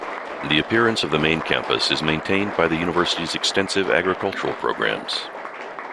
The appearance of the main campus is maintained by the university's extensive agricultural programs.